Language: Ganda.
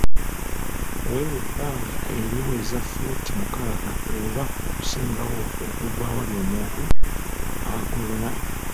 Weewe ebbanga eriweza ffuuti mukaaga oba okusingawo okuva awali omuntu akolona.